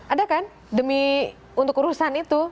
ada kan demi untuk urusan itu